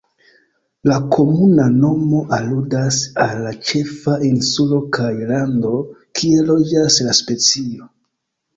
La komuna nomo aludas al la ĉefa insulo kaj lando kie loĝas la specio.